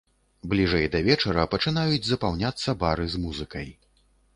Бліжэй да вечара пачынаюць запаўняцца бары з музыкай.